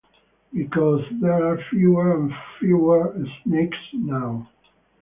Because there are fewer and fewer snakes now.